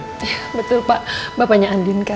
iya betul pak bapaknya andin kan